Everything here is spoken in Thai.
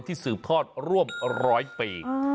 สืบทอดร่วมร้อยปี